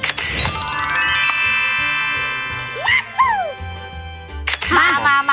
มา